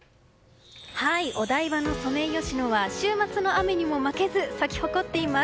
お台場のソメイヨシノは週末の雨にも負けず咲き誇っています。